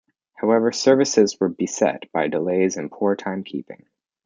However, services were beset by delays and poor timekeeping.